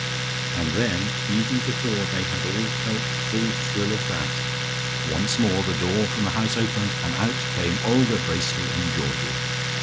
And then, even before they had all felt the full thrill of that, once more the door from the house opened, and out came Olga Bracely and Georgie.